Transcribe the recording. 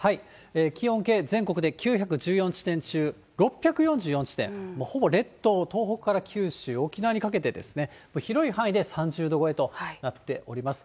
気温計、全国で９１４地点中、６４４地点、もうほぼ列島、東北から九州、沖縄にかけてですね、広い範囲で３０度超えとなっております。